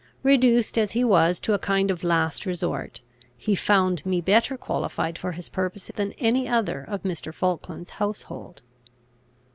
Reduced as he was to a kind of last resort, he found me better qualified for his purpose than any other of Mr. Falkland's household.